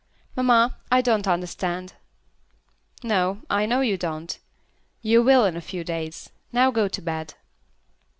"Mamma, I don't understand." "No. I know you don't. You will in a few days. Now go to bed."